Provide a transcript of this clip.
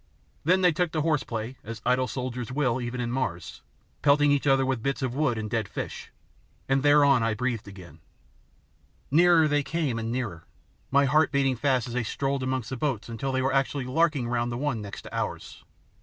Then they took to horseplay, as idle soldiers will even in Mars, pelting each other with bits of wood and dead fish, and thereon I breathed again. Nearer they came and nearer, my heart beating fast as they strolled amongst the boats until they were actually "larking" round the one next to ours.